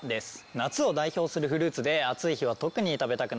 夏を代表するフルーツで暑い日は特に食べたくなりますよね。